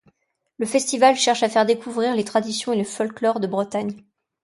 Le festival cherche à faire découvrir les traditions et le folklore de Bretagne.